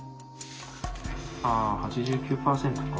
ああー、８９％か。